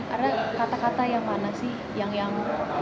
ada kata kata yang mana sih yang